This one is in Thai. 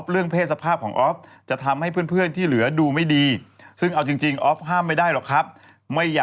เราจะเห็นครีมนานาชนิดเลย